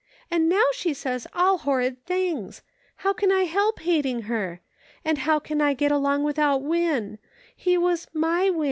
And now she says all horrid things ! How can I help hating her 1 And how can I get along without Win } He was my Win.